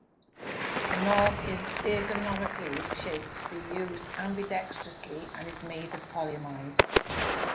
The knob is ergonomically shaped to be used ambidextrously and is made of polyamide.